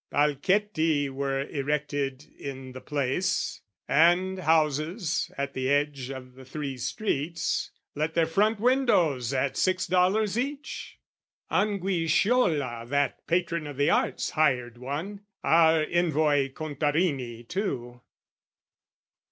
"Palchetti were erected in the Place, "And houses, at the edge of the Three Streets, "Let their front windows at six dollars each: "Anguisciola, that patron of the arts, "Hired one; our Envoy Contarini too.